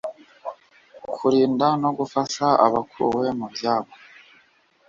kurinda no gufasha abakuwe mu byabo